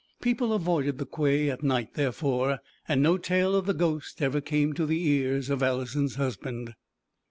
People avoided the quay at night therefore, and no tale of the ghost ever came to the ears of Alison's husband.